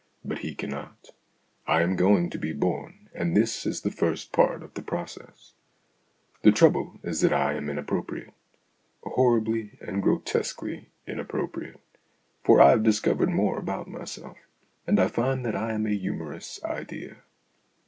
But he cannot. I am going to be born, and this is the first part of the process. The trouble is that 1 am inappropriate horribly and grotesquely inappropriate ; for I have dis THE AUTOBIOGRAPHY OF AN IDEA 51 covered more about myself, and I find that I am a humorous idea.